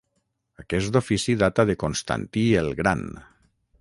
Aquest ofici data de Constantí el Gran.